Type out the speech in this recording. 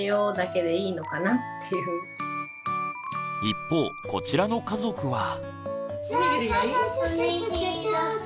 一方こちらの家族は。